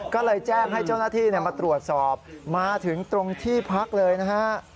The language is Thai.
ก็เลยแจ้งให้เจ้าหน้าที่มาตรวจสอบมาถึงตรงที่พักเลยนะฮะ